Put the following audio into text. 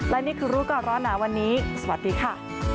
และนี่คือรู้ก่อนร้อนหนาวันนี้สวัสดีค่ะ